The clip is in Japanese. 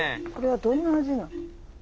これはどんな味なん？